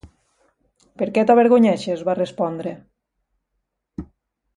"Per què t'avergonyeixes?", va respondre.